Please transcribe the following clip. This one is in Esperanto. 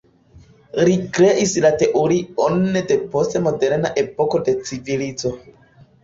Li kreis la teorion de post-moderna epoko de civilizo.